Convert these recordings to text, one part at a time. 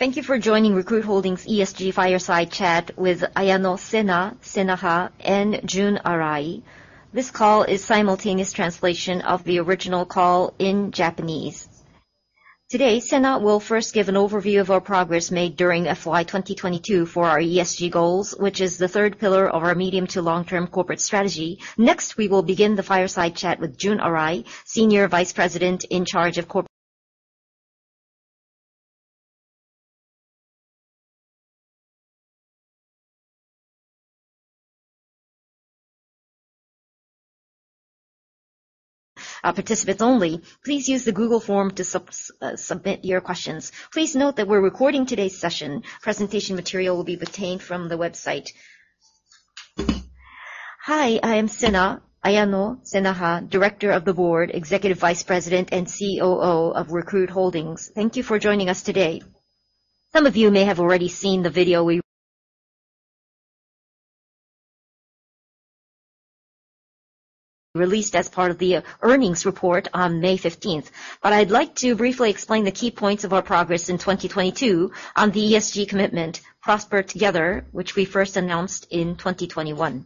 Thank you for joining Recruit Holdings ESG Fireside Chat with Ayano Senaha and Junichi Arai. This call is simultaneous translation of the original call in Japanese. Today, Sena will first give an overview of our progress made during FY 2022 for our ESG goals, which is the third pillar of our medium to long-term corporate strategy. Next, we will begin the Fireside Chat with Junichi Arai, Senior Vice President in charge of Corporate... Participants only. Please use the Google form to submit your questions. Please note that we're recording today's session. Presentation material will be obtained from the website. Hi, I am Sena, Ayano Senaha, Director of the Board, Executive Vice President, and COO of Recruit Holdings. Thank you for joining us today. Some of you may have already seen the video released as part of the earnings report on May 15th. I'd like to briefly explain the key points of our progress in 2022 on the ESG commitment, Prosper Together, which we first announced in 2021.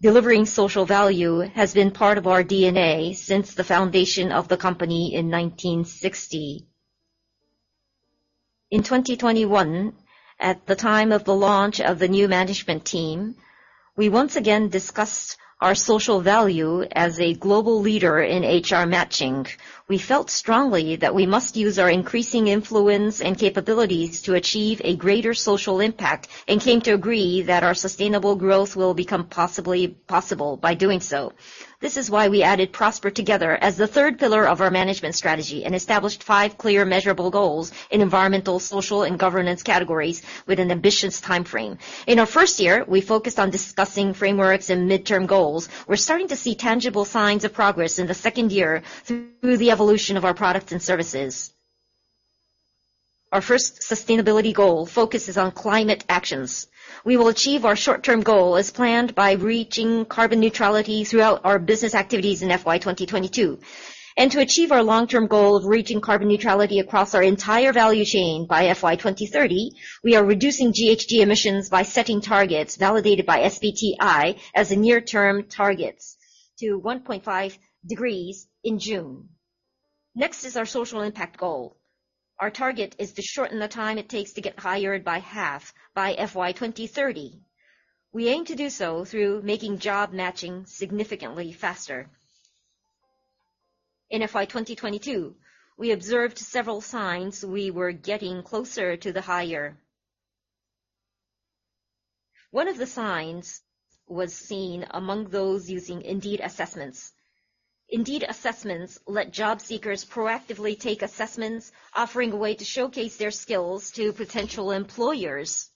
Delivering social value has been part of our DNA since the foundation of the company in 1960. In 2021, at the time of the launch of the new management team, we once again discussed our social value as a global leader in HR matching. We felt strongly that we must use our increasing influence and capabilities to achieve a greater social impact, and came to agree that our sustainable growth will become possibly possible by doing so. This is why we added Prosper Together as the third pillar of our management strategy and established five clear, measurable goals in environmental, social, and governance categories with an ambitious timeframe. In our first year, we focused on discussing frameworks and midterm goals. We're starting to see tangible signs of progress in the second year through the evolution of our products and services. Our first sustainability goal focuses on climate actions. We will achieve our short-term goal as planned by reaching carbon neutrality throughout our business activities in FY 2022. To achieve our long-term goal of reaching carbon neutrality across our entire value chain by FY 2030, we are reducing GHG emissions by setting targets validated by SBTi as a near-term targets to 1.5 degrees in June. Next is our social impact goal. Our target is to shorten the time it takes to get hired by half by FY 2030. We aim to do so through making job matching significantly faster. In FY 2022, we observed several signs we were getting closer to the hire. One of the signs was seen among those using Indeed Assessments. Indeed Assessments let job seekers proactively take assessments, offering a way to showcase their skills to potential employers.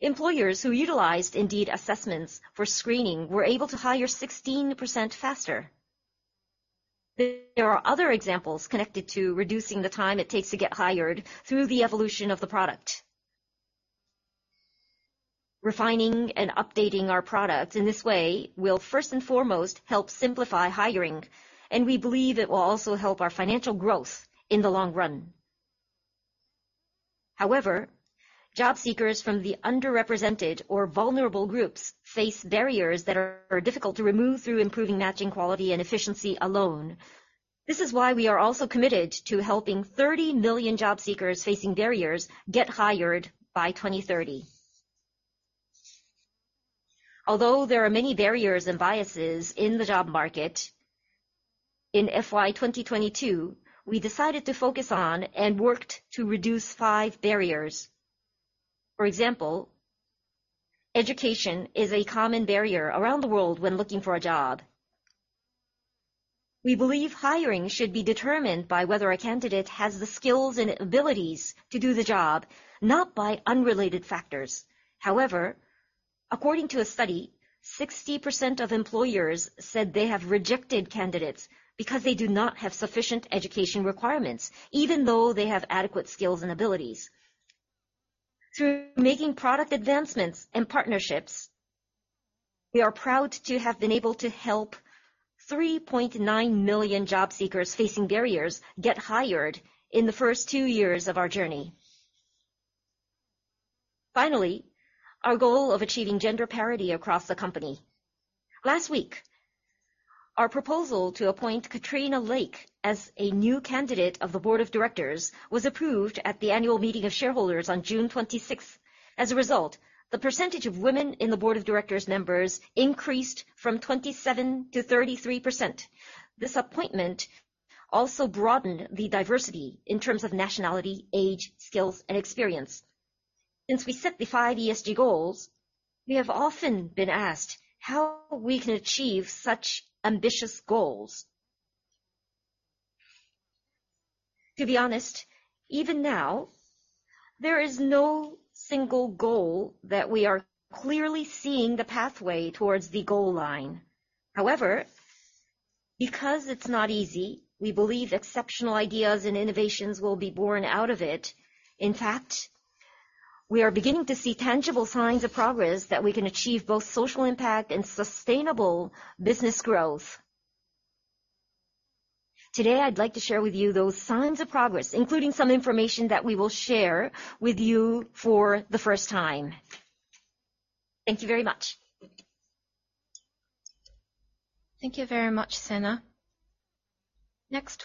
Employers who utilized Indeed Assessments for screening were able to hire 16% faster. There are other examples connected to reducing the time it takes to get hired through the evolution of the product. Refining and updating our products in this way will first and foremost help simplify hiring, and we believe it will also help our financial growth in the long run. However, job seekers from the underrepresented or vulnerable groups face barriers that are difficult to remove through improving matching quality and efficiency alone. This is why we are also committed to helping 30 million job seekers facing barriers get hired by 2030. Although there are many barriers and biases in the job market, in FY 2022, we decided to focus on and worked to reduce five barriers. For example, education is a common barrier around the world when looking for a job. We believe hiring should be determined by whether a candidate has the skills and abilities to do the job, not by unrelated factors. However, according to a study, 60% of employers said they have rejected candidates because they do not have sufficient education requirements, even though they have adequate skills and abilities. Through making product advancements and partnerships, we are proud to have been able to help 3.9 million job seekers facing barriers get hired in the first two years of our journey. Finally, our goal of achieving gender parity across the company. Last week, our proposal to appoint Katrina Lake as a new candidate of the board of directors was approved at the annual meeting of shareholders on June 26th. As a result, the percentage of women in the board of directors members increased from 27%-33%. This appointment also broadened the diversity in terms of nationality, age, skills, and experience. Since we set the five ESG goals, we have often been asked how we can achieve such ambitious goals. To be honest, even now, there is no single goal that we are clearly seeing the pathway towards the goal line. Because it's not easy, we believe exceptional ideas and innovations will be born out of it. We are beginning to see tangible signs of progress that we can achieve both social impact and sustainable business growth. Today, I'd like to share with you those signs of progress, including some information that we will share with you for the first time. Thank you very much. Thank you very much, Sena.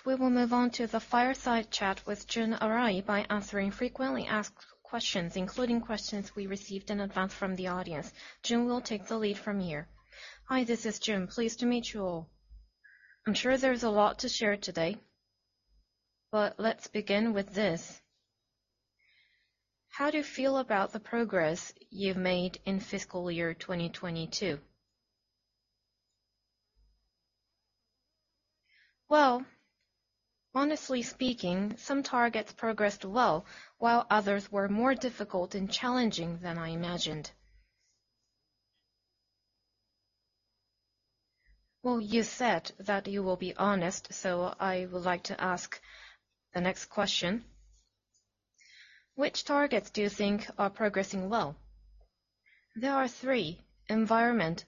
We will move on to the fireside chat with Junichi Arai by answering frequently asked questions, including questions we received in advance from the audience. Jun will take the lead from here. Hi, this is Jun. Pleased to meet you all. I'm sure there's a lot to share today, let's begin with this. How do you feel about the progress you've made in fiscal year 2022? Well, honestly speaking, some targets progressed well, while others were more difficult and challenging than I imagined. Well, you said that you will be honest, I would like to ask the next question. Which targets do you think are progressing well? There are three: environment,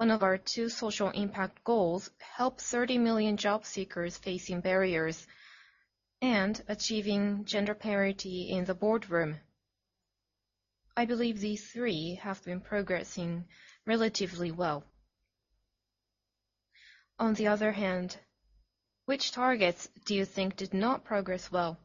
one of our two social impact goals, help 30 million job seekers facing barriers, and achieving gender parity in the boardroom. I believe these three have been progressing relatively well. On the other hand, which targets do you think did not progress well?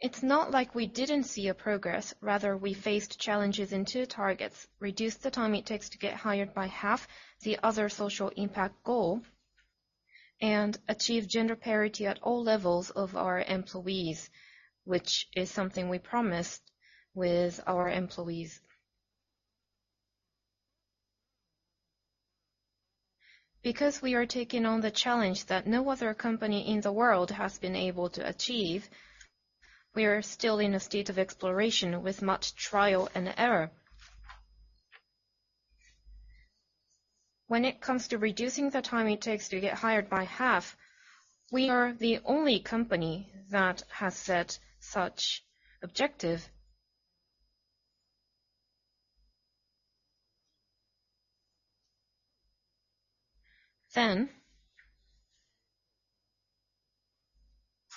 It's not like we didn't see a progress. Rather, we faced challenges in two targets: reduce the time it takes to get hired by half, the other social impact goal, and achieve gender parity at all levels of our employees, which is something we promised with our employees. Because we are taking on the challenge that no other company in the world has been able to achieve, we are still in a state of exploration with much trial and error. When it comes to reducing the time it takes to get hired by half, we are the only company that has set such objective.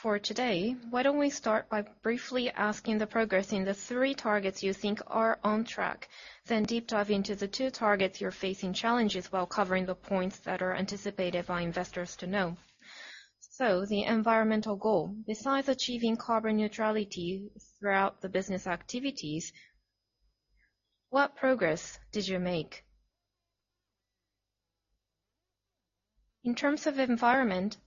For today, why don't we start by briefly asking the progress in the three targets you think are on track, then deep dive into the two targets you're facing challenges while covering the points that are anticipated by investors to know. The environmental goal, besides achieving carbon neutrality throughout the business activities, what progress did you make? In terms of environment,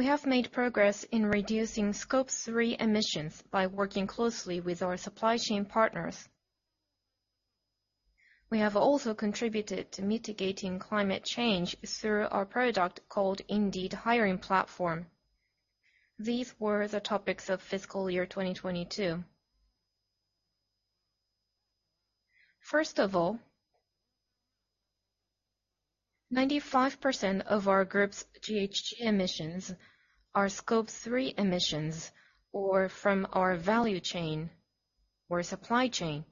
we have made progress in reducing Scope 3 emissions by working closely with our supply chain partners. We have also contributed to mitigating climate change through our product called Indeed Hiring Platform. These were the topics of fiscal year 2022. First of all, 95% of our group's GHG emissions are Scope 3 emissions or from our value chain or supply chain.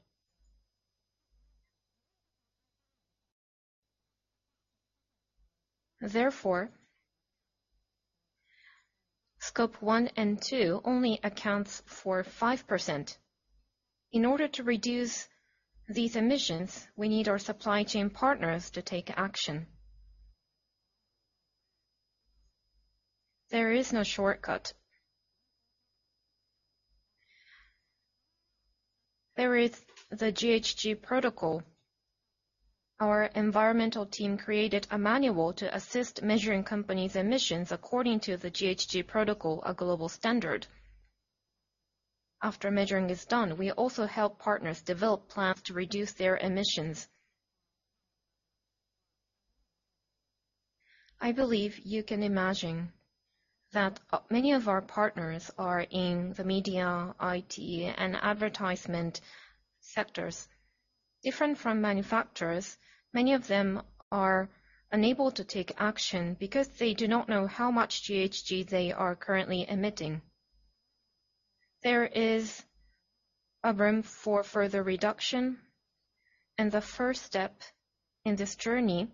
Scope 1 and 2 only accounts for 5%. In order to reduce these emissions, we need our supply chain partners to take action. There is no shortcut. There is the GHG Protocol. Our environmental team created a manual to assist measuring company's emissions according to the GHG Protocol, a global standard. After measuring is done, we also help partners develop plans to reduce their emissions. I believe you can imagine that many of our partners are in the media, IT, and advertisement sectors. Different from manufacturers, many of them are unable to take action because they do not know how much GHG they are currently emitting. There is a room for further reduction, and the first step in this journey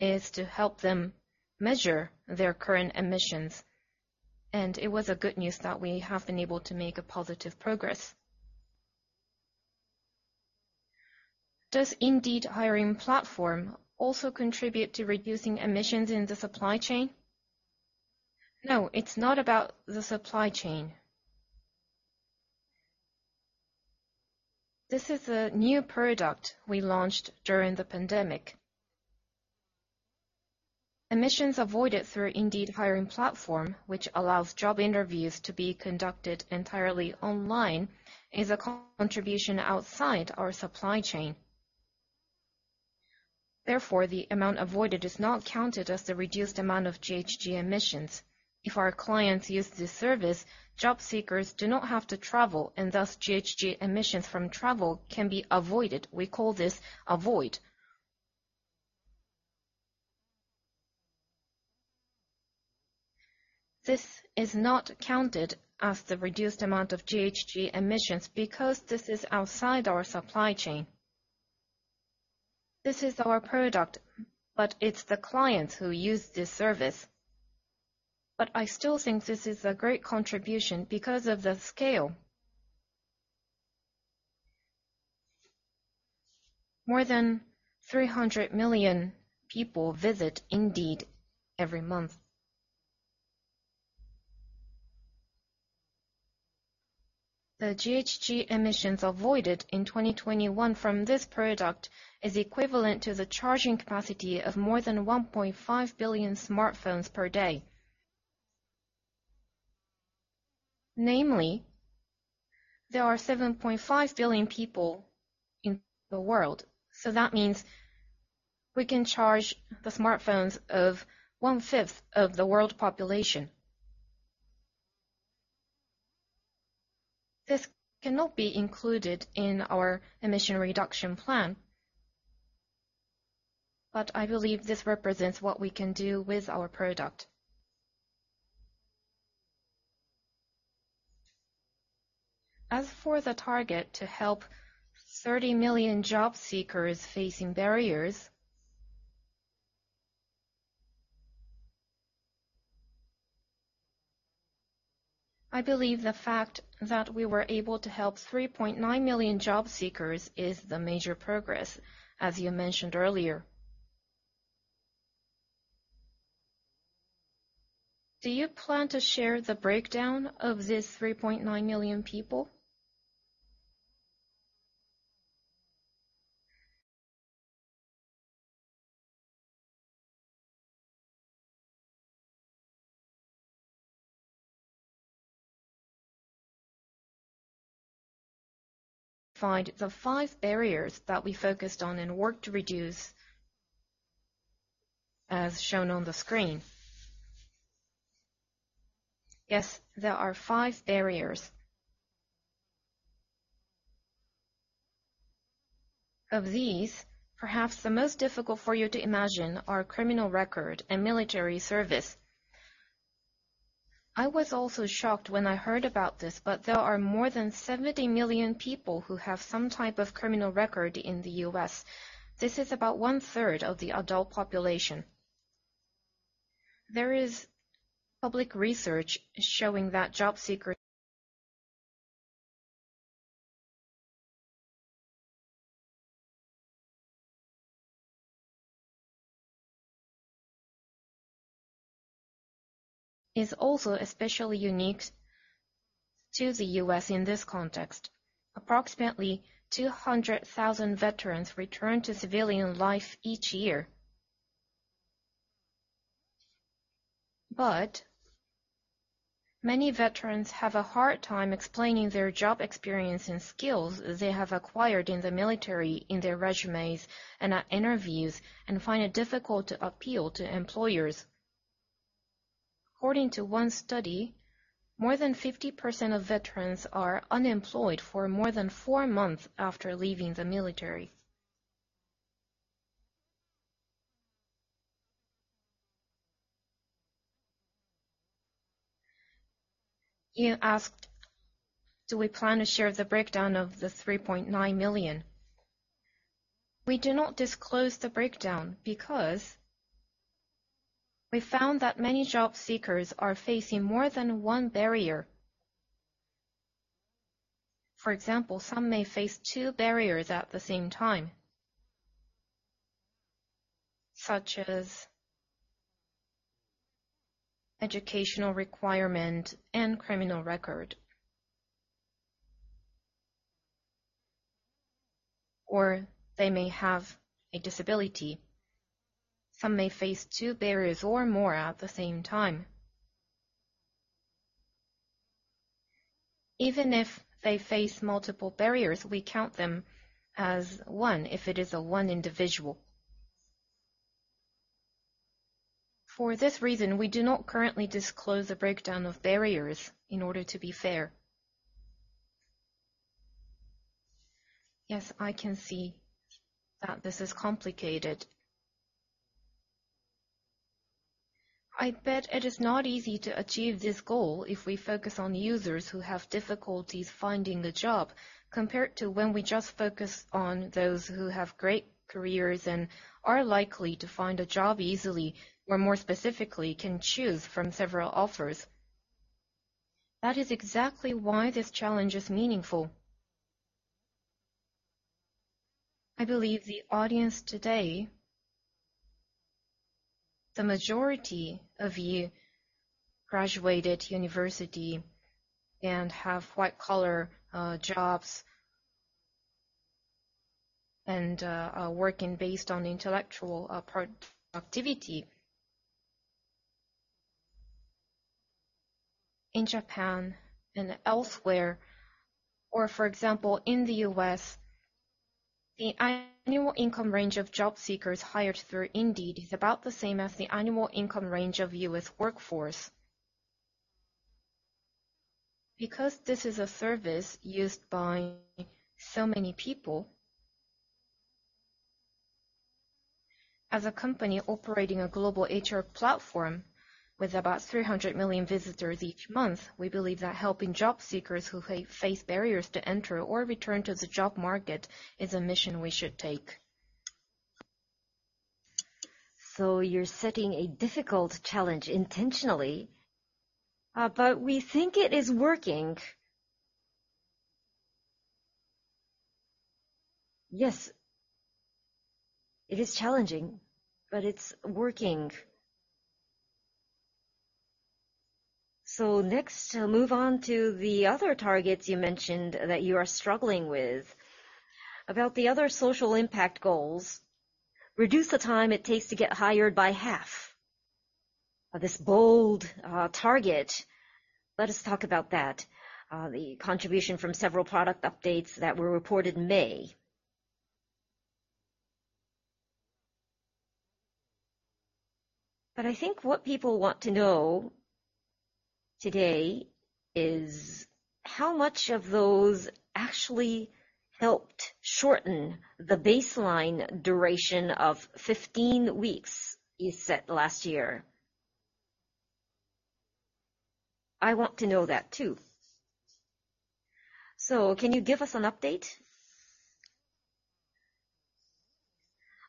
is to help them measure their current emissions, and it was good news that we have been able to make a positive progress. Does Indeed Hiring Platform also contribute to reducing emissions in the supply chain? No, it's not about the supply chain. This is a new product we launched during the pandemic. Emissions avoided through Indeed Hiring Platform, which allows job interviews to be conducted entirely online, is a contribution outside our supply chain. Therefore, the amount avoided is not counted as the reduced amount of GHG emissions. If our clients use this service, job seekers do not have to travel, and thus GHG emissions from travel can be avoided. This is not counted as the reduced amount of GHG emissions because this is outside our supply chain. This is our product, but it's the clients who use this service. I still think this is a great contribution because of the scale. More than 300 million people visit Indeed every month. The GHG emissions avoided in 2021 from this product is equivalent to the charging capacity of more than 1.5 billion smartphones per day. Namely, there are 7.5 billion people in the world, that means we can charge the smartphones of one-fifth of the world population. This cannot be included in our emission reduction plan, I believe this represents what we can do with our product. As for the target to help 30 million job seekers facing barriers, I believe the fact that we were able to help 3.9 million job seekers is the major progress, as you mentioned earlier. Do you plan to share the breakdown of these 3.9 million people? Find the five barriers that we focused on and worked to reduce, as shown on the screen. Yes, there are five barriers. Of these, perhaps the most difficult for you to imagine are criminal record and military service. I was also shocked when I heard about this. There are more than 70 million people who have some type of criminal record in the U.S. This is about one-third of the adult population. There is public research showing that job seekers. Is also especially unique to the U.S. in this context. Approximately 200,000 veterans return to civilian life each year. Many veterans have a hard time explaining their job experience and skills they have acquired in the military, in their resumes and at interviews, and find it difficult to appeal to employers. According to one study, more than 50% of veterans are unemployed for more than four months after leaving the military. You asked, do we plan to share the breakdown of the 3.9 million? We do not disclose the breakdown because we found that many job seekers are facing more than one barrier. For example, some may face two barriers at the same time, such as educational requirement and criminal record. They may have a disability. Some may face two barriers or more at the same time. Even if they face multiple barriers, we count them as one if it is a one individual. For this reason, we do not currently disclose a breakdown of barriers in order to be fair. I can see that this is complicated. I bet it is not easy to achieve this goal if we focus on users who have difficulties finding a job, compared to when we just focus on those who have great careers and are likely to find a job easily or more specifically, can choose from several offers. That is exactly why this challenge is meaningful. I believe the audience today, the majority of you graduated university and have white-collar jobs, and are working based on intellectual productivity. In Japan and elsewhere, or for example, in the U.S., the annual income range of job seekers hired through Indeed is about the same as the annual income range of U.S. workforce. Because this is a service used by so many people, as a company operating a global HR platform with about 300 million visitors each month, we believe that helping job seekers who face barriers to enter or return to the job market is a mission we should take. You're setting a difficult challenge intentionally? We think it is working. Yes, it is challenging, but it's working. Next, move on to the other targets you mentioned that you are struggling with. About the other social impact goals, reduce the time it takes to get hired by half. This bold target, let us talk about that. The contribution from several product updates that were reported in May. I think what people want to know today is how much of those actually helped shorten the baseline duration of 15 weeks you set last year? I want to know that, too. Can you give us an update?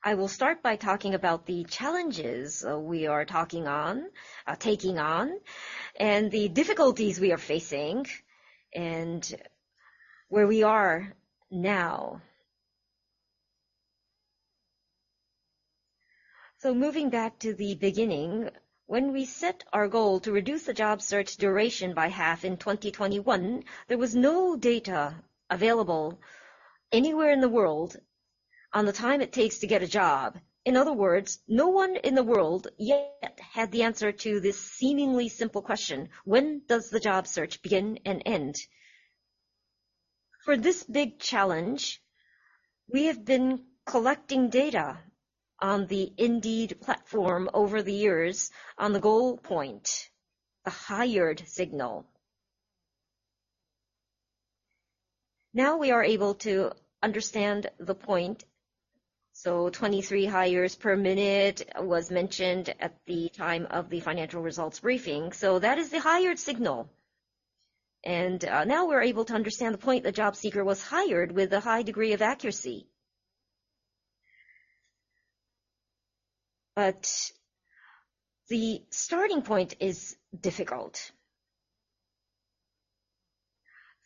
I will start by talking about the challenges we are taking on and the difficulties we are facing, and where we are now. Moving back to the beginning, when we set our goal to reduce the job search duration by half in 2021, there was no data available anywhere in the world on the time it takes to get a job. In other words, no one in the world yet had the answer to this seemingly simple question: When does the job search begin and end? For this big challenge, we have been collecting data on the Indeed platform over the years on the goal point, the Hired Signal. Now we are able to understand the point. 23 hires per minute was mentioned at the time of the financial results briefing. That is the Hired Signal. And now we're able to understand the point the job seeker was hired with a high degree of accuracy. The starting point is difficult.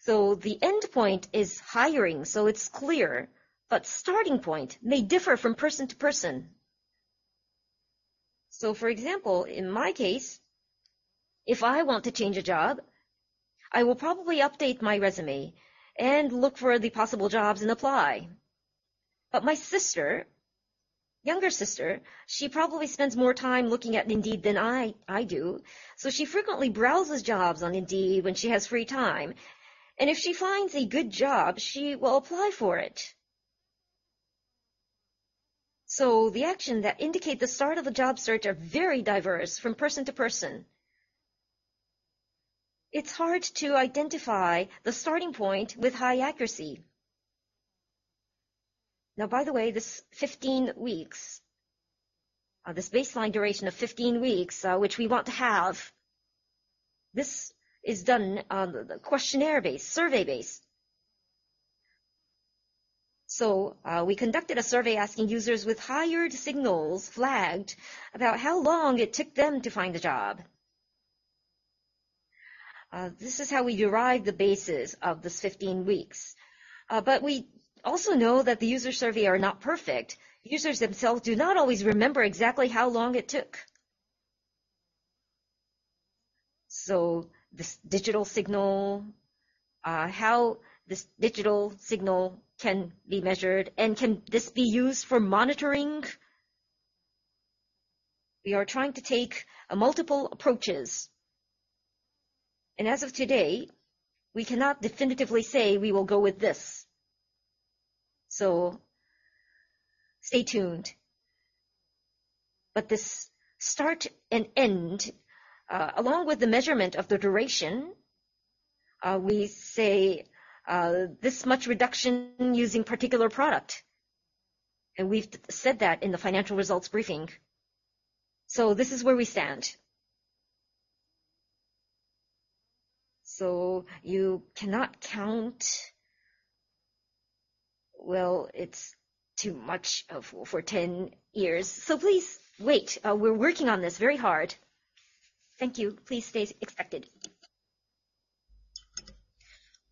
The endpoint is hiring, so it's clear, but starting point may differ from person to person. For example, in my case, if I want to change a job, I will probably update my resume and look for the possible jobs and apply. My sister, younger sister, she probably spends more time looking at Indeed than I do. She frequently browses jobs on Indeed when she has free time, and if she finds a good job, she will apply for it. The action that indicate the start of the job search are very diverse from person to person. It's hard to identify the starting point with high accuracy. Now, by the way, this 15 weeks, this baseline duration of 15 weeks, which we want to have, this is done on the questionnaire-based, survey-based. We conducted a survey asking users with Hired Signals flagged about how long it took them to find a job. This is how we derived the basis of this 15 weeks. We also know that the user survey are not perfect. Users themselves do not always remember exactly how long it took. This digital signal, how this digital signal can be measured, and can this be used for monitoring? We are trying to take a multiple approaches, and as of today, we cannot definitively say we will go with this. Stay tuned. This start and end, along with the measurement of the duration, we say, this much reduction in using particular product, and we've said that in the financial results briefing. This is where we stand. You cannot count... Well, it's too much of for 10 years. Please wait. We're working on this very hard. Thank you. Please stay expected.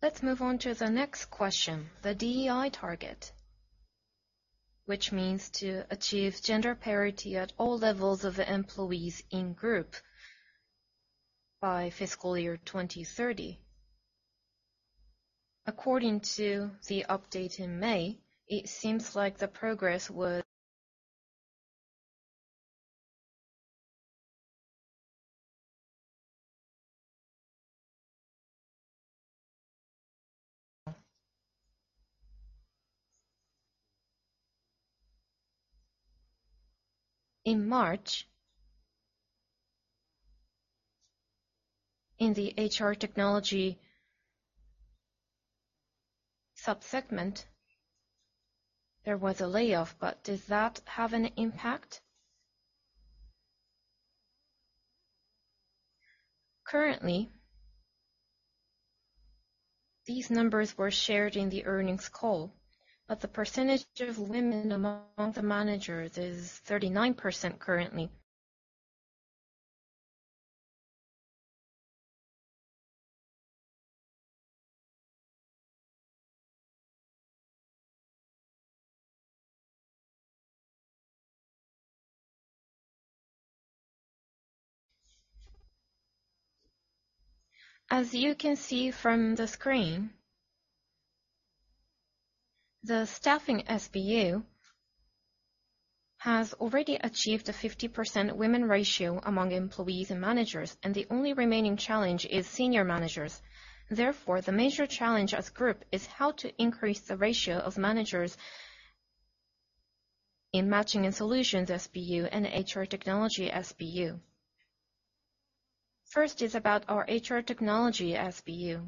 Let's move on to the next question, the DEI target, which means to achieve gender parity at all levels of the employees in group by fiscal year 2030. According to the update in May, it seems like the progress. in March, in the HR technology subsegment, there was a layoff. Does that have an impact? Currently, these numbers were shared in the earnings call. The percentage of women among the managers is 39% currently. As you can see from the screen, the Staffing SBU has already achieved a 50% women ratio among employees and managers. The only remaining challenge is senior managers. Therefore, the major challenge as group is how to increase the ratio of managers in Matching and Solutions SBU and HR Technology SBU. First is about our HR Technology SBU.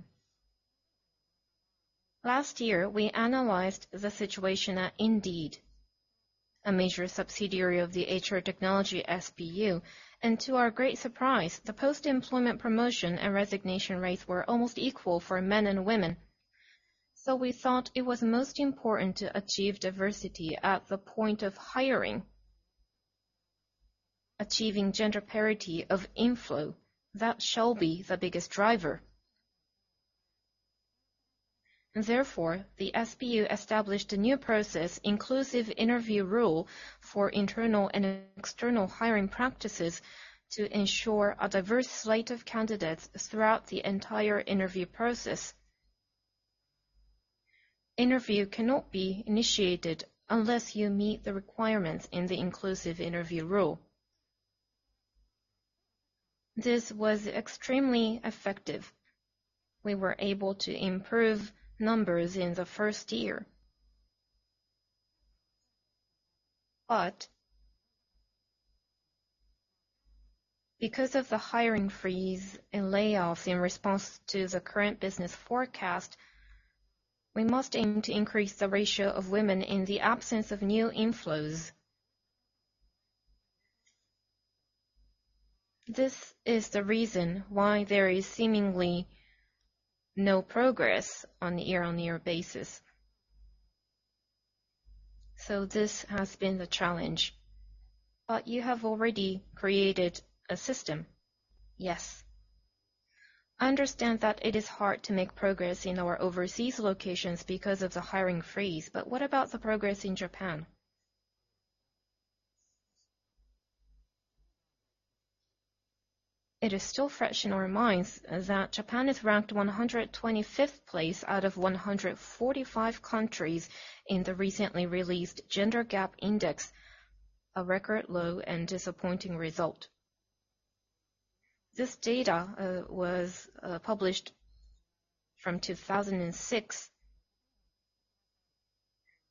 Last year, we analyzed the situation at Indeed, a major subsidiary of the HR Technology SBU. To our great surprise, the post-employment promotion and resignation rates were almost equal for men and women. We thought it was most important to achieve diversity at the point of hiring. Achieving gender parity of inflow, that shall be the biggest driver. The SBU established a new process, Inclusive Interview Rule, for internal and external hiring practices to ensure a diverse slate of candidates throughout the entire interview process. Interview cannot be initiated unless you meet the requirements in the Inclusive Interview Rule. This was extremely effective. We were able to improve numbers in the first year. Because of the hiring freeze and layoffs in response to the current business forecast, we must aim to increase the ratio of women in the absence of new inflows. This is the reason why there is seemingly no progress on a year-over-year basis. This has been the challenge. You have already created a system? Yes. I understand that it is hard to make progress in our overseas locations because of the hiring freeze, what about the progress in Japan? It is still fresh in our minds that Japan is ranked 125th place out of 145 countries in the recently released Global Gender Gap Index, a record low and disappointing result. This data was published from 2006,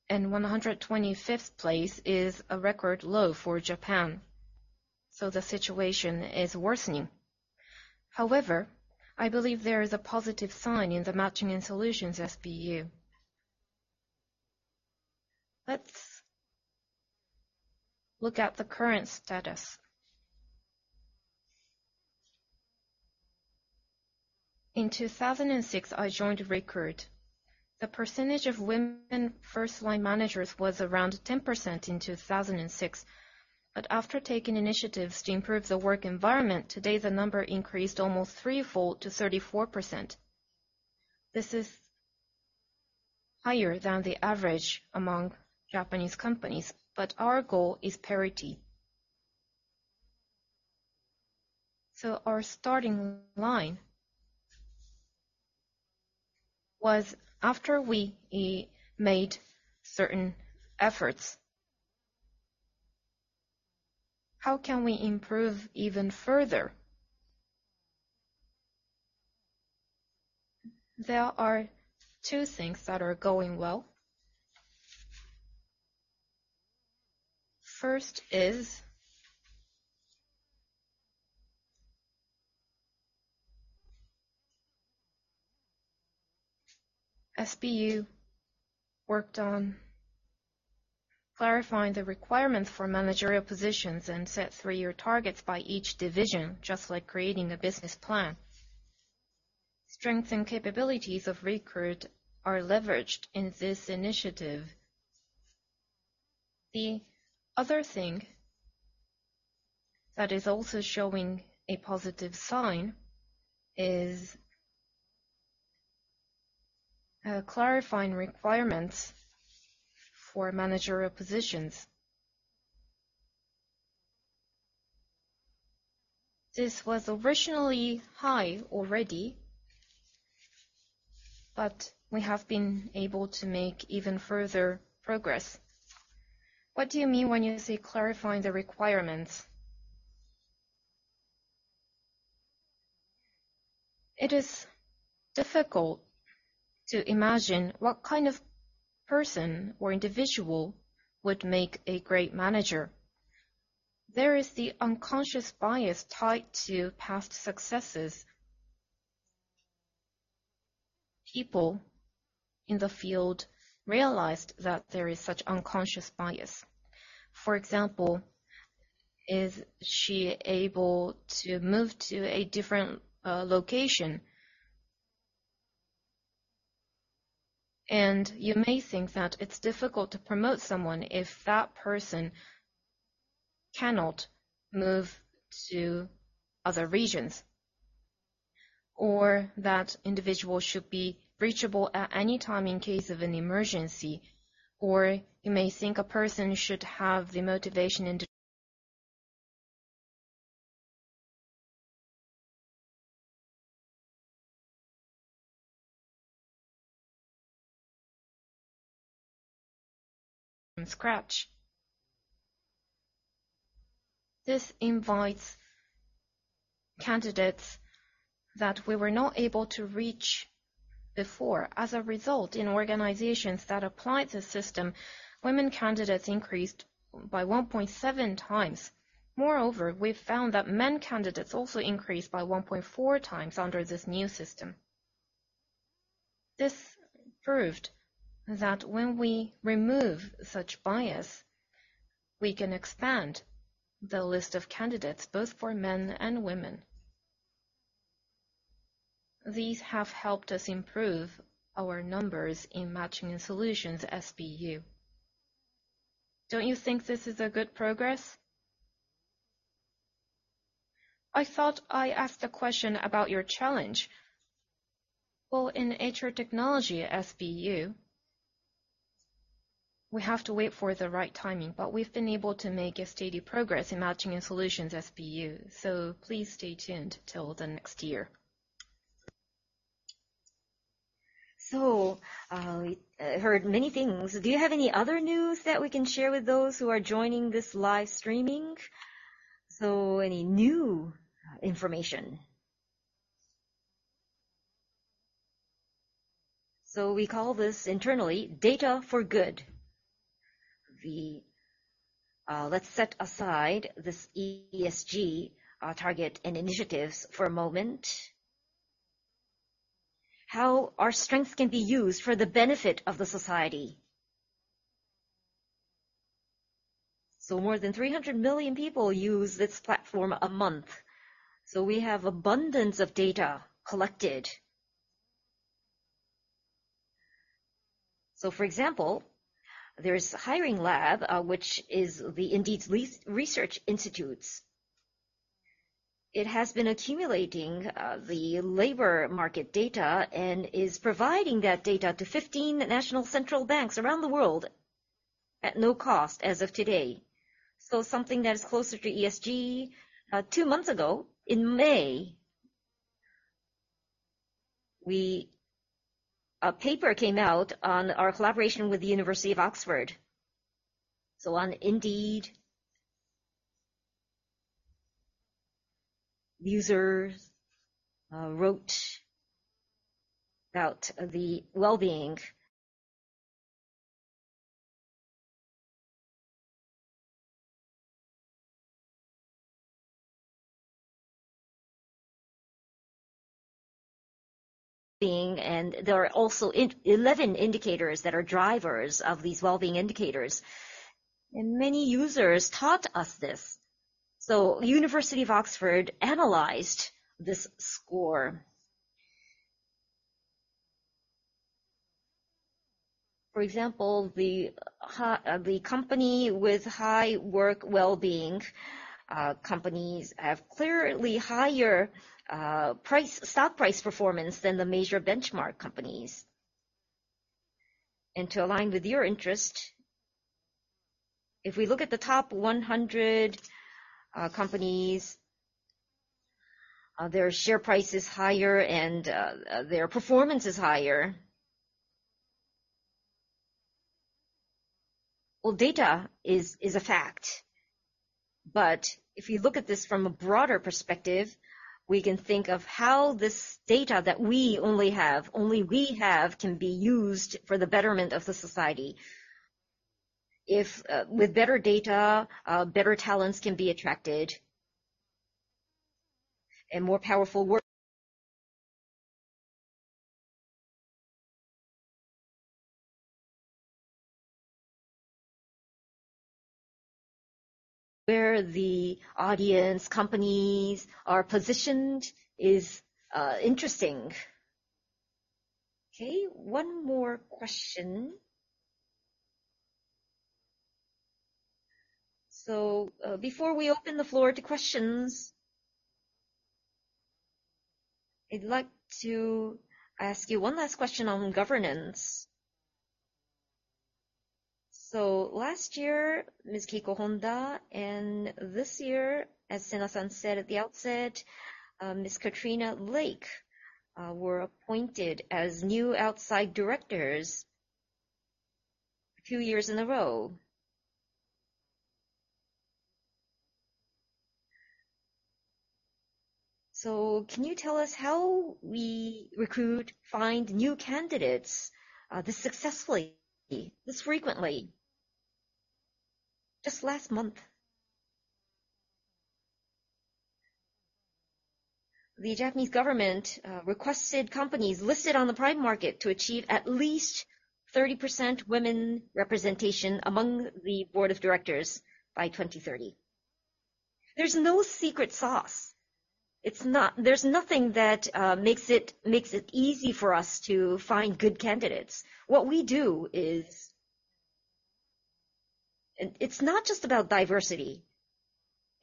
and 125th place is a record low for Japan, so the situation is worsening. I believe there is a positive sign in the Matching and Solutions SBU. Let's look at the current status. In 2006, I joined Recruit. The percentage of women first-line managers was around 10% in 2006. After taking initiatives to improve the work environment, today, the number increased almost threefold to 34%. This is higher than the average among Japanese companies, but our goal is parity. Our starting line was after we made certain efforts. How can we improve even further? There are two things that are going well. First is, SBU worked on clarifying the requirements for managerial positions and set three-year targets by each division, just like creating a business plan. Strengths and capabilities of Recruit are leveraged in this initiative. The other thing that is also showing a positive sign is, clarifying requirements for managerial positions. This was originally high already, but we have been able to make even further progress. What do you mean when you say clarifying the requirements? It is difficult to imagine what kind of person or individual would make a great manager. There is the unconscious bias tied to past successes. People in the field realized that there is such unconscious bias. For example, is she able to move to a different location? You may think that it's difficult to promote someone if that person cannot move to other regions, or that individual should be reachable at any time in case of an emergency. You may think a person should have the motivation and from scratch. This invites candidates that we were not able to reach before. As a result, in organizations that applied this system, women candidates increased by 1.7x. We've found that men candidates also increased by 1.4x under this new system. This proved that when we remove such bias, we can expand the list of candidates, both for men and women. These have helped us improve our numbers in Matching and Solutions SBU. Don't you think this is a good progress? I thought I asked a question about your challenge. In HR Technology SBU, we have to wait for the right timing, but we've been able to make a steady progress in Matching and Solutions SBU. Please stay tuned till the next year. We heard many things. Do you have any other news that we can share with those who are joining this live streaming? Any new information. We call this internally Data for Good. Let's set aside this ESG target and initiatives for a moment. How our strength can be used for the benefit of the society. More than 300 million people use this platform a month, so we have abundance of data collected. For example, there's Hiring Lab, which is the Indeed's Research Institutes. It has been accumulating the labor market data and is providing that data to 15 national central banks around the world at no cost as of today. Something that is closer to ESG. Two months ago, in May, a paper came out on our collaboration with the University of Oxford. On Indeed, users wrote about the well-being. There are also 11 indicators that are drivers of these well-being indicators, and many users taught us this. University of Oxford analyzed this score. For example, the company with high work well-being, companies have clearly higher price, stock price performance than the major benchmark companies. To align with your interest, if we look at the top 100 companies, their share price is higher and their performance is higher. Well, data is a fact, but if you look at this from a broader perspective, we can think of how this data that we only have, only we have, can be used for the betterment of society. With better data, better talents can be attracted and more powerful work... Where the audience, companies are positioned is interesting. Okay, one more question. Before we open the floor to questions, I'd like to ask you one last question on governance. Last year, Ms. Keiko Honda, and this year, as Sena-san said at the outset, Ms. Katrina Lake were appointed as new outside Directors two years in a row.... Can you tell us how we recruit, find new candidates, this successfully, this frequently? Just last month, the Japanese government requested companies listed on the Prime Market to achieve at least 30% women representation among the board of directors by 2030. There's no secret sauce. There's nothing that makes it easy for us to find good candidates. What we do is. It's not just about diversity,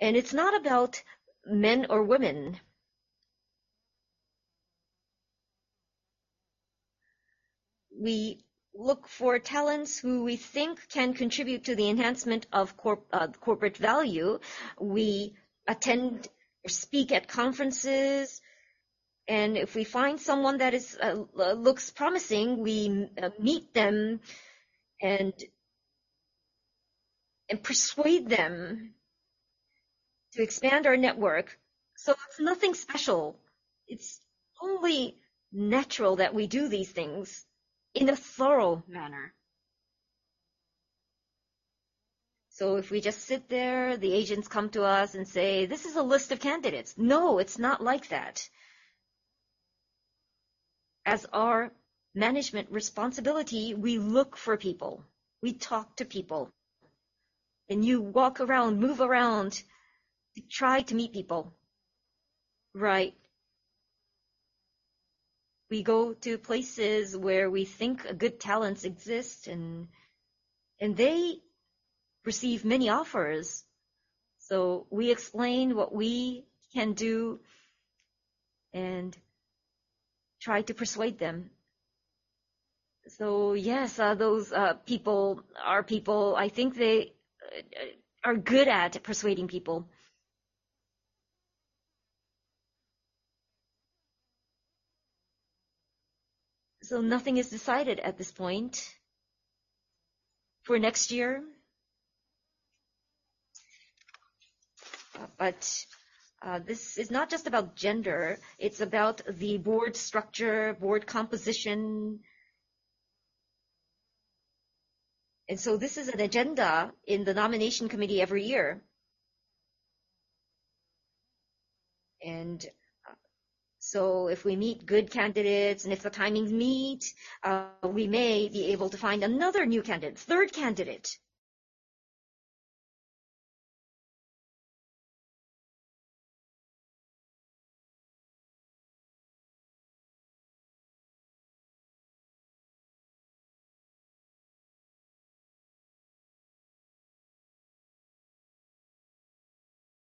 and it's not about men or women. We look for talents who we think can contribute to the enhancement of corporate value. We attend or speak at conferences, and if we find someone that looks promising, we meet them and persuade them to expand our network. It's nothing special. It's only natural that we do these things in a thorough manner. If we just sit there, the agents come to us and say, "This is a list of candidates." No, it's not like that. As our management responsibility, we look for people, we talk to people, and you walk around, move around to try to meet people. Right. We go to places where we think good talents exist, and they receive many offers. We explain what we can do and try to persuade them. Yes, those people, our people, I think they are good at persuading people. Nothing is decided at this point for next year. This is not just about gender. It's about the board structure, board composition. This is an agenda in the nomination committee every year. if we meet good candidates, and if the timings meet, we may be able to find another new candidate, third candidate.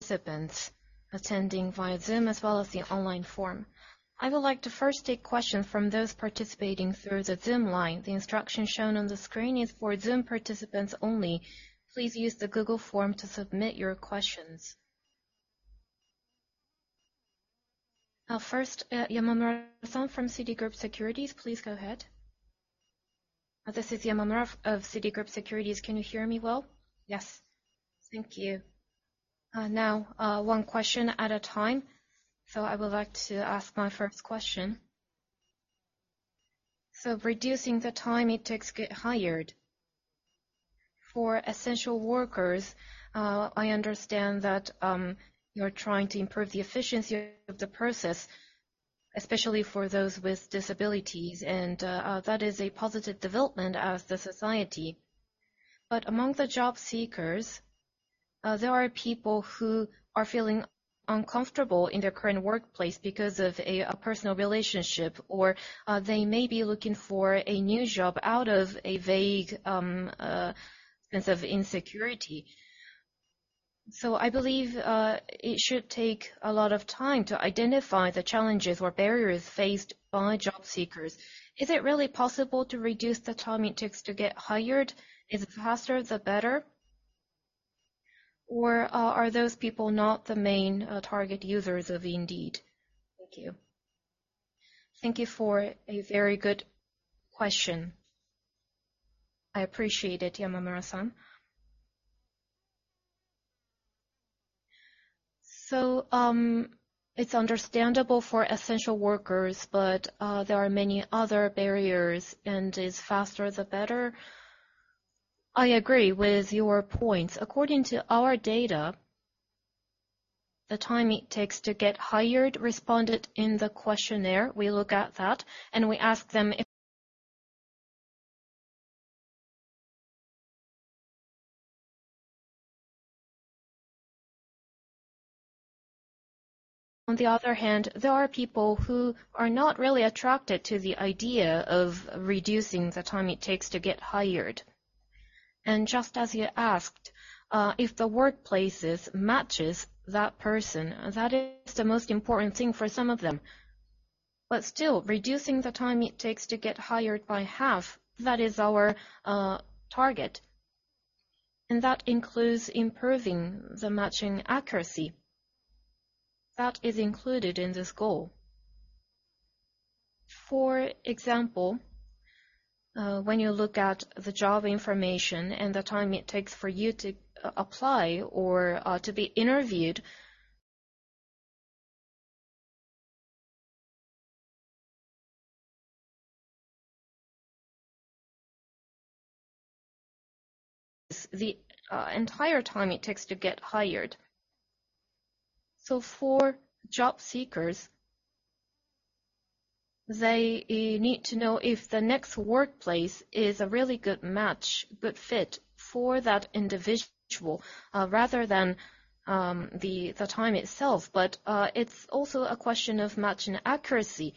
Participants attending via Zoom as well as the online forum. I would like to first take questions from those participating through the Zoom line. The instructions shown on the screen is for Zoom participants only. Please use the Google form to submit your questions. First, Yamamura-san from Citigroup Securities, please go ahead. This is Yamamura of Citigroup Securities. Can you hear me well? Yes. Thank you. Now, one question at a time. I would like to ask my first question. Reducing the time it takes to get hired. For essential workers, I understand that you're trying to improve the efficiency of the process, especially for those with disabilities, and that is a positive development of the society. Among the job seekers, there are people who are feeling uncomfortable in their current workplace because of a personal relationship, or they may be looking for a new job out of a vague sense of insecurity. I believe it should take a lot of time to identify the challenges or barriers faced by job seekers. Is it really possible to reduce the time it takes to get hired? Is the faster, the better? Are those people not the main target users of Indeed? Thank you. Thank you for a very good question. I appreciate it, Yamamura-san. It's understandable for essential workers, but there are many other barriers, and is faster the better? I agree with your points. According to our data, the time it takes to get hired, responded in the questionnaire, we look at that, and we ask them if. On the other hand, there are people who are not really attracted to the idea of reducing the time it takes to get hired. Just as you asked, if the workplaces matches that person, that is the most important thing for some of them. Still, reducing the time it takes to get hired by half, that is our target, and that includes improving the matching accuracy. That is included in this goal. For example, when you look at the job information and the time it takes for you to apply or to be interviewed, the entire time it takes to get hired. For job seekers, they need to know if the next workplace is a really good match, good fit for that individual, rather than the time itself. It's also a question of matching accuracy.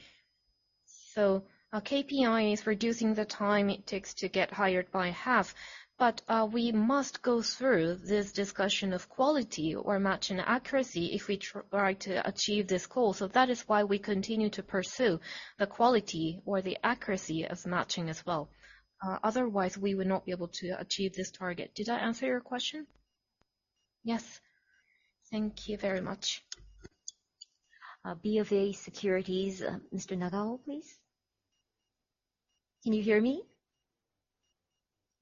Our KPI is reducing the time it takes to get hired by half, but we must go through this discussion of quality or matching accuracy if we try to achieve this goal. That is why we continue to pursue the quality or the accuracy of matching as well. Otherwise, we would not be able to achieve this target. Did I answer your question? Yes. Thank you very much. BofA Securities, Mr. Nagao, please. Can you hear me?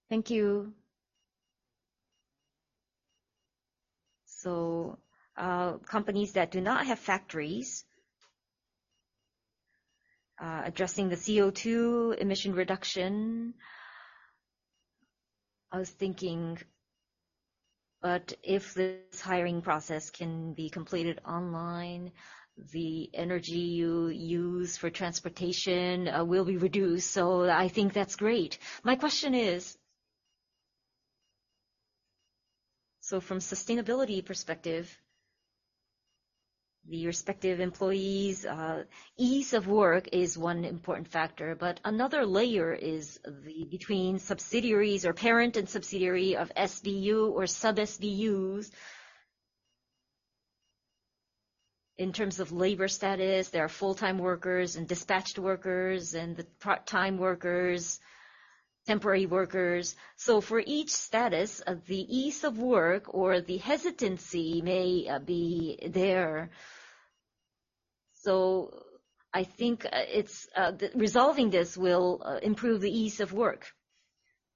Thank you. Companies that do not have factories, addressing the CO2 emission reduction, I was thinking, but if this hiring process can be completed online, the energy you use for transportation will be reduced, so I think that's great. My question is: from sustainability perspective, the respective employees' ease of work is one important factor, but another layer is the between subsidiaries or parent and subsidiary of SBU or sub-SBUs. In terms of labor status, there are full-time workers and dispatched workers, and the part-time workers, temporary workers. For each status, the ease of work or the hesitancy may be there. I think it's resolving this will improve the ease of work.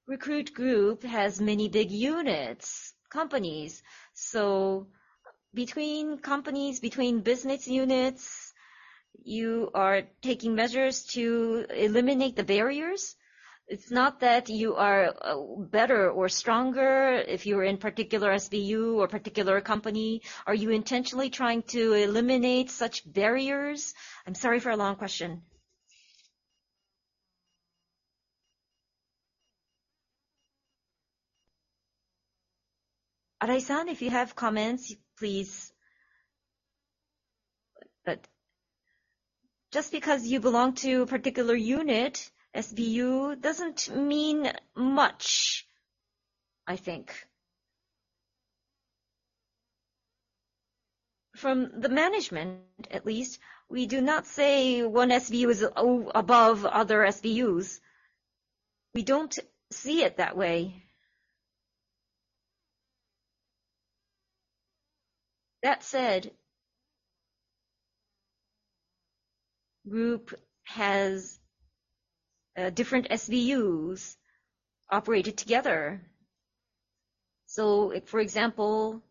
Recruit Group has many big units, companies, so between companies, between business units, you are taking measures to eliminate the barriers. It's not that you are, better or stronger if you are in particular SBU or particular company. Are you intentionally trying to eliminate such barriers? I'm sorry for a long question. Arai-san, if you have comments, please. Just because you belong to a particular unit, SBU, doesn't mean much, I think. From the management at least, we do not say one SBU is above other SBUs. We don't see it that way. That said, group has different SBUs operated together. If, for example,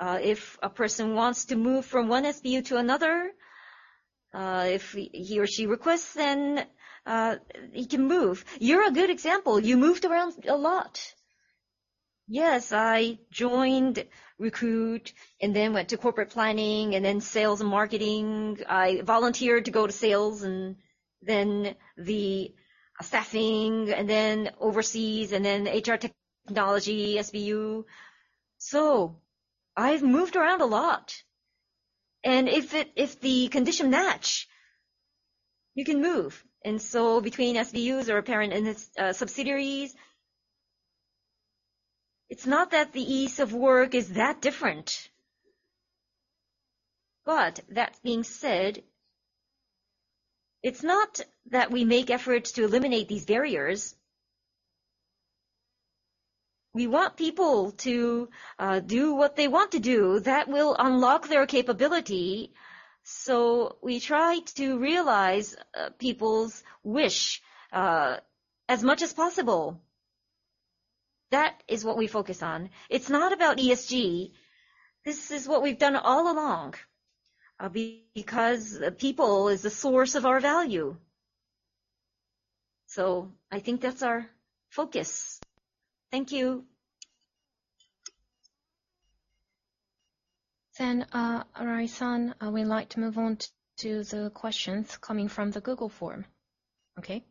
if a person wants to move from one SBU to another, if he or she requests, then he can move. You're a good example. You moved around a lot. Yes, I joined Recruit and then went to corporate planning, and then sales and marketing. I volunteered to go to sales, and then the assessing, and then overseas, and then HR Technology SBU. If the condition match, you can move. Between SBUs or parent and its subsidiaries, it's not that the ease of work is that different. That being said, it's not that we make efforts to eliminate these barriers. We want people to do what they want to do. That will unlock their capability, so we try to realize people's wish as much as possible. That is what we focus on. It's not about ESG. This is what we've done all along because people is the source of our value. I think that's our focus. Thank you. Arai-san, I would like to move on to the questions coming from the Google form. Okay.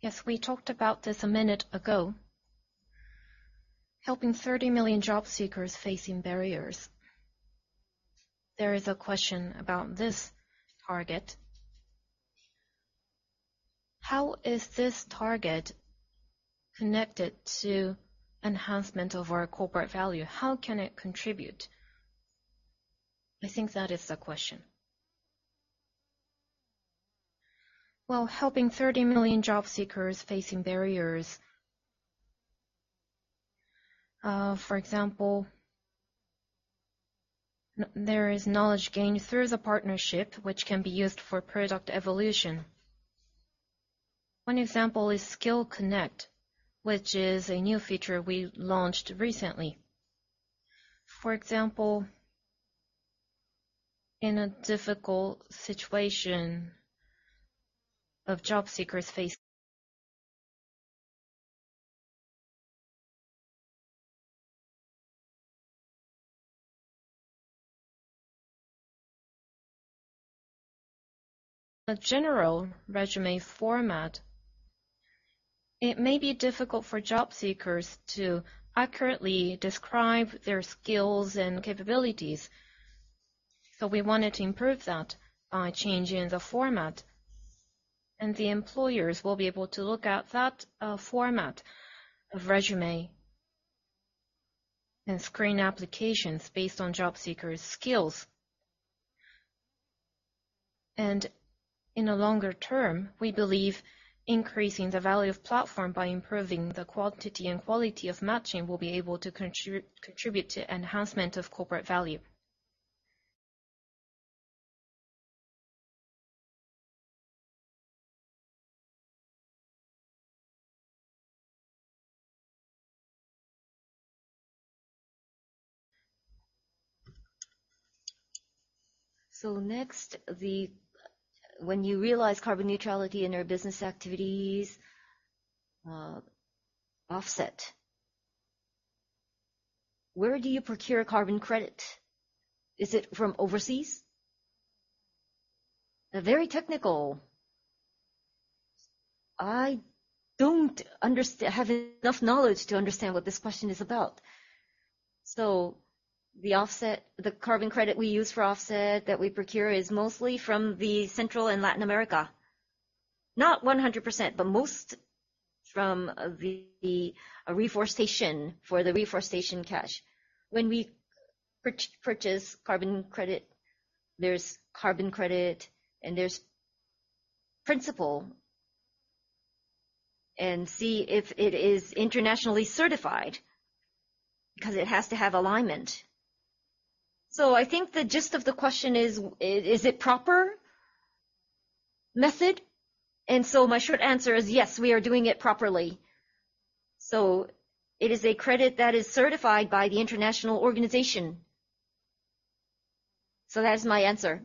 Yes, we talked about this a minute ago. Helping 30 million job seekers facing barriers. There is a question about this target. How is this target connected to enhancement of our corporate value? How can it contribute? I think that is the question. Well, helping 30 million job seekers facing barriers. For example, there is knowledge gained through the partnership, which can be used for product evolution. One example is Skill Connect, which is a new feature we launched recently. For example, in a difficult situation of job seekers. The general resume format, it may be difficult for job seekers to accurately describe their skills and capabilities. We wanted to improve that by changing the format, and the employers will be able to look at that format of resume and screen applications based on job seekers' skills. In the longer term, we believe increasing the value of platform by improving the quantity and quality of matching, will be able to contribute to enhancement of corporate value. When you realize carbon neutrality in your business activities, offset, where do you procure carbon credit? Is it from overseas? Very technical. I don't have enough knowledge to understand what this question is about. The offset, the carbon credit we use for offset that we procure is mostly from Central and Latin America. Not 100%, but most from the reforestation, for the reforestation cash. When we purchase carbon credit, there's carbon credit and there's principle, and see if it is internationally certified, because it has to have alignment. I think the gist of the question is: Is it proper method? My short answer is yes, we are doing it properly. It is a credit that is certified by the international organization. That is my answer.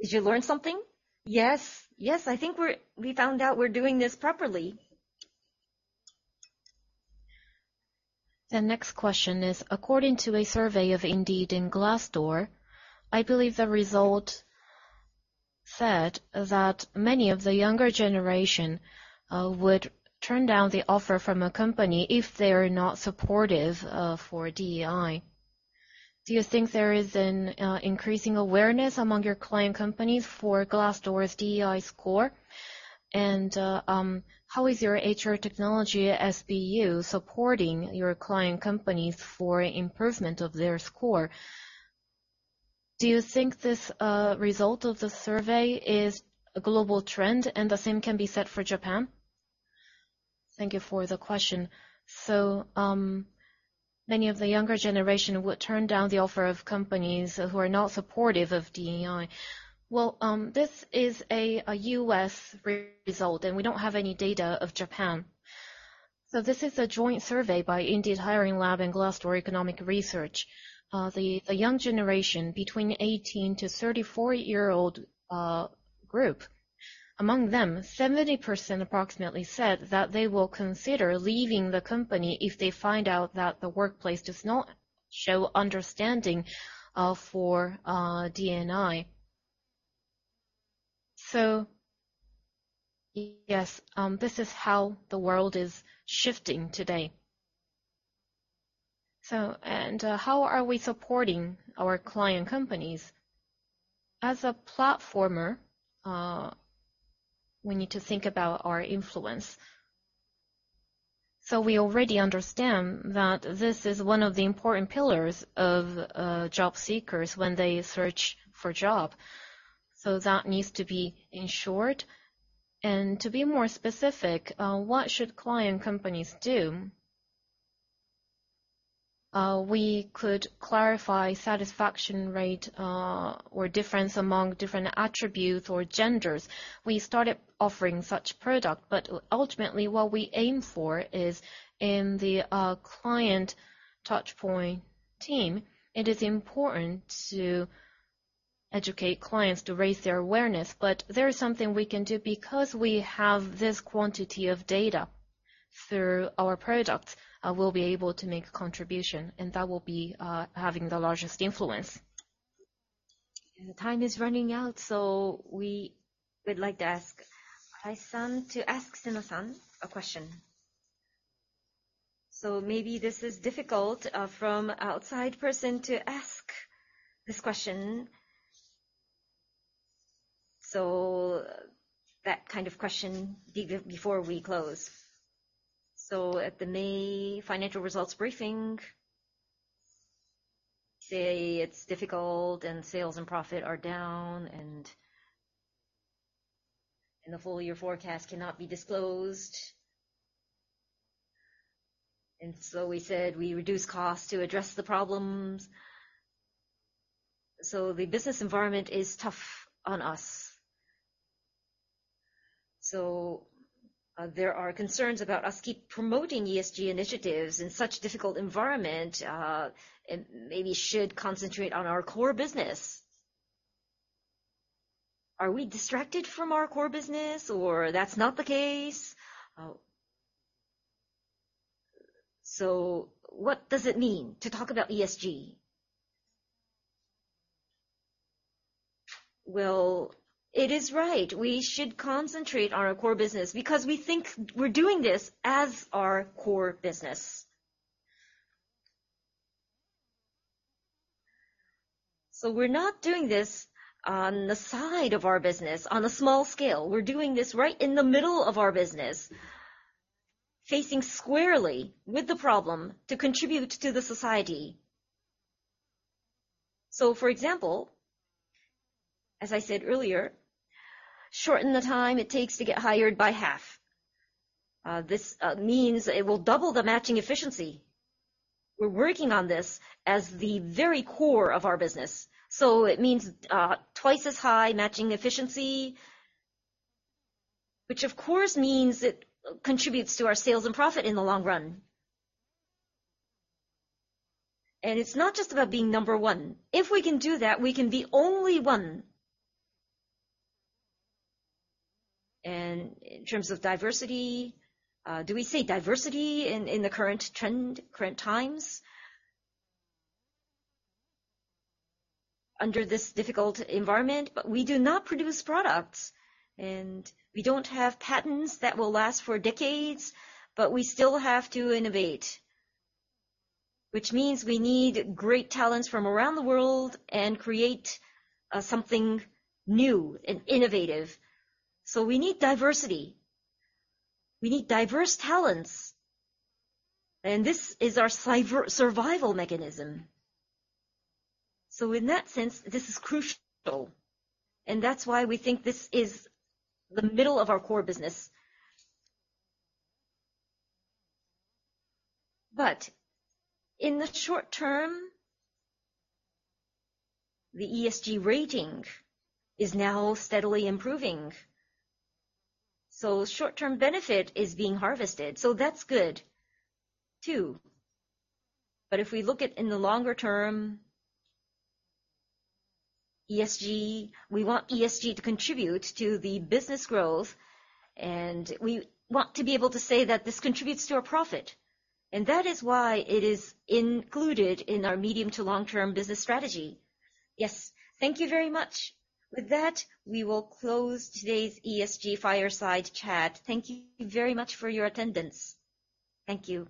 Did you learn something? Yes. Yes, I think we found out we're doing this properly. The next question is, according to a survey of Indeed and Glassdoor, I believe the result said that many of the younger generation would turn down the offer from a company if they are not supportive for DEI. Do you think there is an increasing awareness among your client companies for Glassdoor's DEI score? How is your HR Technology SBU supporting your client companies for improvement of their score? Do you think this result of the survey is a global trend, and the same can be said for Japan? Thank you for the question. Many of the younger generation would turn down the offer of companies who are not supportive of DEI. Well, this is a U.S. result, and we don't have any data of Japan. This is a joint survey by Indeed Hiring Lab and Glassdoor Economic Research. The young generation between 18-34-year-old group, among them, 70% approximately, said that they will consider leaving the company if they find out that the workplace does not show understanding for DNI. Yes, this is how the world is shifting today. How are we supporting our client companies? As a platformer, we need to think about our influence. We already understand that this is one of the important pillars of job seekers when they search for job. That needs to be ensured. To be more specific, what should client companies do? We could clarify satisfaction rate or difference among different attributes or genders. We started offering such product, ultimately, what we aim for is in the client touchpoint team, it is important to educate clients to raise their awareness. There is something we can do, because we have this quantity of data through our products, we'll be able to make a contribution, and that will be having the largest influence. The time is running out, so we would like to ask Arai-san to ask Senaha-san a question. Maybe this is difficult from outside person to ask this question. That kind of question before we close. At the May financial results briefing, say it's difficult, and sales and profit are down, and the full year forecast cannot be disclosed. We said we reduce costs to address the problems. The business environment is tough on us. There are concerns about us keep promoting ESG initiatives in such difficult environment, and maybe should concentrate on our core business. Are we distracted from our core business, or that's not the case? What does it mean to talk about ESG? Well, it is right. We should concentrate on our core business because we think we're doing this as our core business. We're not doing this on the side of our business, on a small scale. We're doing this right in the middle of our business, facing squarely with the problem to contribute to the society. For example, as I said earlier, shorten the time it takes to get hired by half. This means it will double the matching efficiency. We're working on this as the very core of our business. It means twice as high matching efficiency, which of course means it contributes to our sales and profit in the long run. It's not just about being number one. If we can do that, we can be only one. In terms of diversity, do we say diversity in the current trend, current times? Under this difficult environment, but we do not produce products, and we don't have patents that will last for decades, but we still have to innovate, which means we need great talents from around the world and create something new and innovative. We need diversity. We need diverse talents, and this is our survival mechanism. In that sense, this is crucial, and that's why we think this is the middle of our core business. In the short term, the ESG rating is now steadily improving, so short-term benefit is being harvested, so that's good, too. If we look at in the longer term ESG, we want ESG to contribute to the business growth, and we want to be able to say that this contributes to our profit, and that is why it is included in our medium to long-term business strategy. Yes. Thank you very much. With that, we will close today's ESG Fireside Chat. Thank you very much for your attendance. Thank you.